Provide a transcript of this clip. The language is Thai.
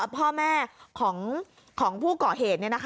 พ่อแม่ของผู้ก่อเหตุ